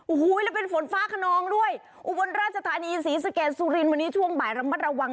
โอ้โหแล้วเป็นฝนฟ้าขนองด้วยอุบลราชธานีศรีสะเกดสุรินทร์วันนี้ช่วงบ่ายระมัดระวัง